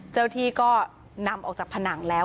เจ้าที่ก็นำออกจากผนังแล้ว